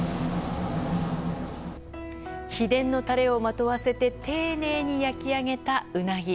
秘伝のタレをまとわせて丁寧に焼き上げたウナギ。